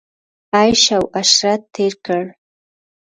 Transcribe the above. عیش او عشرت تېر کړ.